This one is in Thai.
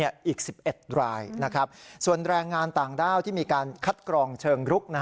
อีก๑๑รายส่วนแรงงานต่างด้าวที่มีการคัดกรองเชิงรุก